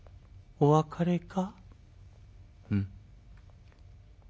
「お別れか？」。